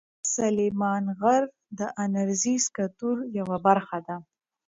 سلیمان غر د انرژۍ سکتور یوه برخه ده.